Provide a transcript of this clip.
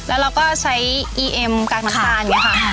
แล้วเราก็ใช้อีเอ็มกากน้ำตาลอย่างนี้ค่ะ